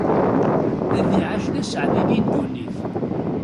Ad iɛac d aseɛdi di ddunit.